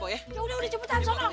ya udah cepetan sono